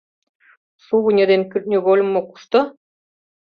Шугыньо ден кӱртньыгольмо кушто?